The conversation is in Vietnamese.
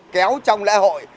kéo trong lễ hội